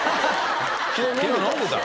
昨日飲んでた？